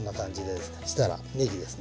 そしたらねぎですね。